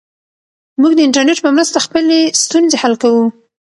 موږ د انټرنیټ په مرسته خپلې ستونزې حل کوو.